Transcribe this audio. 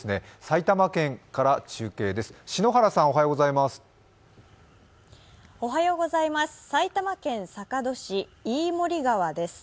埼玉県から中継です。